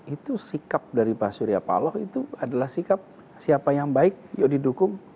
itu sikap dari pak surya paloh itu adalah sikap siapa yang baik yuk didukung